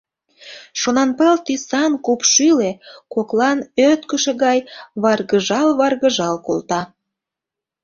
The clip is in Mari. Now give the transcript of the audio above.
Шонанпыл тӱсан купшӱльӧ коклан ӧрткышӧ гай варгыжал-варгыжал колта.